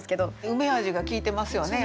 「うめ味」が効いてますよね